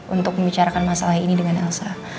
untuk membicarakan masalah ini dengan elsa